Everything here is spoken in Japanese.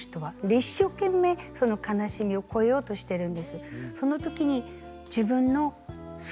一生懸命その悲しみをこえようとしてるんです。